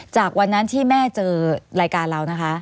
จากวันนั้นที่แม่เจอรายการเรานะคะ